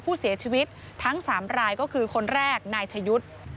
ผู้เสียชีวิตทั้ง๓รายก็คือคนแรกนายชะยุทธ์